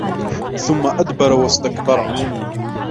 ثُمَّ أَدْبَرَ وَاسْتَكْبَرَ